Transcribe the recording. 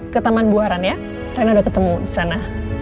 ketaman buaran ya rena udah ketemu disana